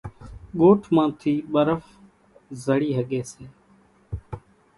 ڳوٺ مان ٿِي ٻرڦ زڙِي ۿڳيَ سي۔